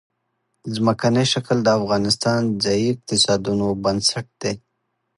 ځمکنی شکل د افغانستان د ځایي اقتصادونو بنسټ دی.